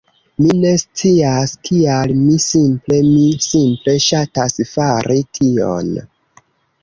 Mi ne scias kial, mi simple, mi simple ŝatas fari tion.